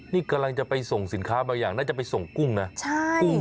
นี่กำลังจะไปส่งสินค้าบางอย่างน่าจะไปส่งกุ้งนะใช่กุ้ง